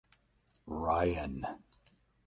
Ryan.